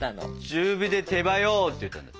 「中火で手早う！」って言ったの。